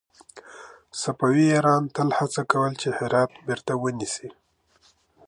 صفوي ایران تل هڅه کوله چې هرات بېرته ونيسي.